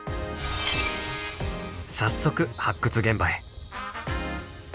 早速発掘現場へ。